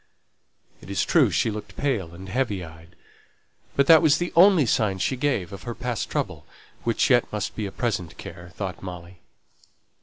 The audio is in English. It is true she looked pale and heavy eyed, but that was the only sign she gave of her past trouble, which yet must be a present care, thought Molly.